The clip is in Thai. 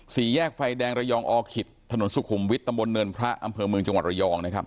สี่แยกไฟแดงระยองอขิตถนนสุขุมวิทย์ตำบลเนินพระอำเภอเมืองจังหวัดระยองนะครับ